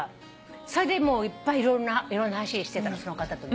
それでいっぱいいろんな話してたのその方とね。